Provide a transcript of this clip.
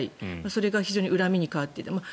それが非常に恨みに変わっていった。